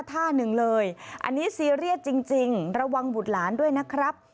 ท่าหนึ่งเลยอันนี้ซีเรียสจริงระวังบุตรหลานด้วยนะครับ